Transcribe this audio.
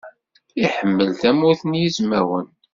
Iḥemmel Tamurt n Yizwawen.